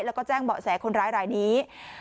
แล้วก็แจ้งเบาะแสคนร้ายรายนี้